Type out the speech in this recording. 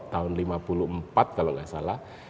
tahun lima puluh empat kalau enggak salah